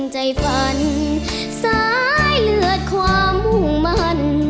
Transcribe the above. ใจฝันซ้ายเลือดความมุ่งมั่น